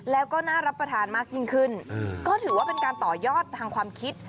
แล้วก็น่ารับประทานมากยิ่งขึ้นก็ถือว่าเป็นการต่อยอดทางความคิด